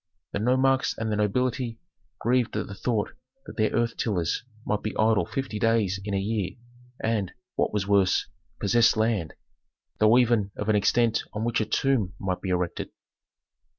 The nomarchs and the nobility grieved at the thought that their earth tillers might be idle fifty days in a year, and, what was worse, possess land, though even of an extent on which a tomb might be erected.